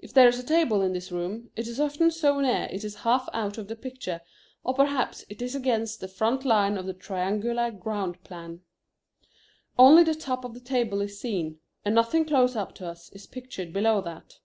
If there is a table in this room, it is often so near it is half out of the picture or perhaps it is against the front line of the triangular ground plan. Only the top of the table is seen, and nothing close up to us is pictured below that.